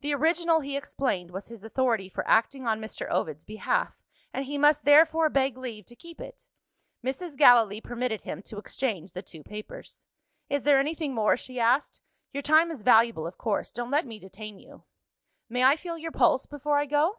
The original (he explained) was his authority for acting on Mr. Ovid's behalf, and he must therefore beg leave to keep it. Mrs. Gallilee permitted him to exchange the two papers. "Is there anything more?" she asked. "Your time is valuable of course. Don't let me detain you." "May I feel your pulse before I go?"